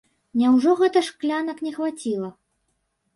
Няўжо гэта шклянак не хваціла?